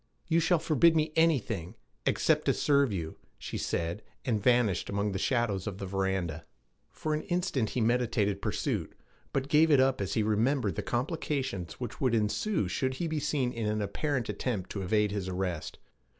'You shall forbid me anything except to serve you,' she said, and vanished among the shadows of the veranda. For an instant he meditated pursuit, but gave it up as he remembered the complications which would ensue should he be seen in apparent attempt to evade his arrest.